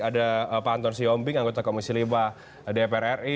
ada pak anton syiombing anggota komisi lima dpr ri